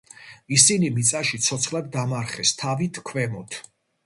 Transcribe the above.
ისინი მიწაში ცოცხლად დამარხეს თავით ქვემოთ.